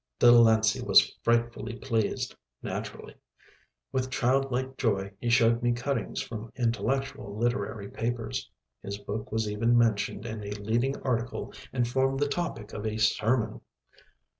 Delancey was frightfully pleased, naturally. With child like joy he showed me cuttings from intellectual literary papers. His book was even mentioned in a leading article and formed the topic of a sermon.